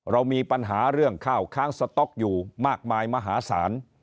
เรามีปัญหาเรื่องข้าวค้างสต๊อกอยู่มากมายมหาศาล